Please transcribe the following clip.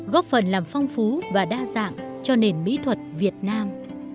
góp phần làm phong phú và đa dạng cho nền mỹ thuật việt nam